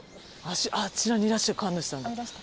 あちらにいらっしゃる神主さん。